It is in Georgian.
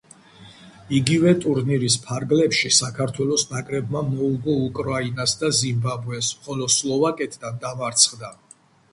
იგივე ტურნირის ფარგლებში, საქართველოს ნაკრებმა მოუგო უკრაინას და ზიმბაბვეს, ხოლო სლოვაკეთთან დამარცხდა.